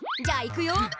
じゃあいくよ。